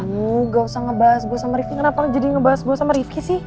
gue gak usah ngebahas gue sama rifki kenapa jadi ngebahas gue sama rifki sih